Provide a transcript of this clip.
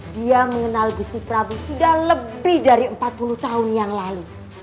dia mengenal gusti prabu sudah lebih dari empat puluh tahun yang lalu